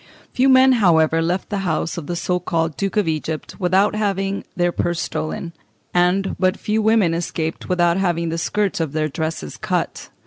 Few men, however, left the house of the so called Duke of Egypt without having their purses stolen, and but few women escaped without having the skirts of their dresses cut.